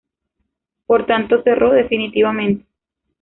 Por tanto, cerró definitivamente.